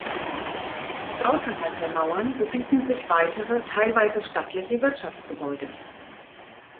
Außerhalb der Mauern befinden sich weitere teilweise stattliche Wirtschaftsgebäude.